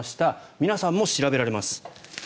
皆さんも調べられます。